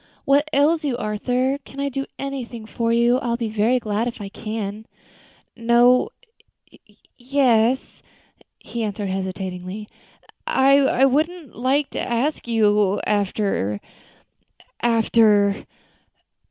"What ails you, Arthur? Can I do anything for you? I will be very glad if I can." "No yes " he answered hesitatingly; "I wouldn't like to ask you after after " "Oh!